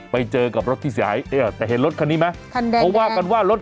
ไปเจอกับรถที่เสียหายนี่เห็นรถคันนี้ไหมคันแดงแดง